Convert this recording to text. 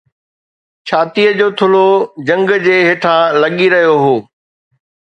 ڇاتيءَ جو ٿلهو جهنگ جي هيٺان لڳي رهيو هو